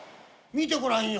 「見てごらんよ。